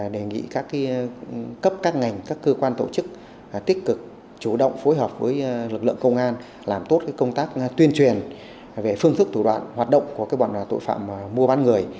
đề nghị các cấp các ngành các cơ quan tổ chức tích cực chủ động phối hợp với lực lượng công an làm tốt công tác tuyên truyền về phương thức thủ đoạn hoạt động của bọn tội phạm mua bán người